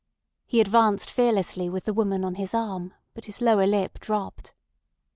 He advanced fearlessly with the woman on his arm, but his lower lip dropped.